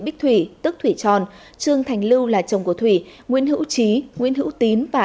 bích thủy tức thủy tròn trương thành lưu là chồng của thủy nguyễn hữu trí nguyễn hữu tín và